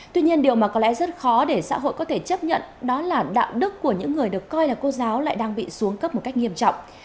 tuy nhiên điều mà có lẽ rất khó để xã hội có thể chấp nhận đó là đạo đức của những người được coi là cô giáo lại đang bị xuống cấp một cách nghiêm trọng